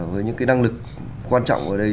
với những năng lực quan trọng ở đây